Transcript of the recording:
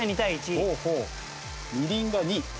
みりんが２。